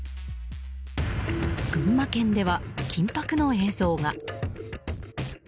群馬県では緊迫の映像が。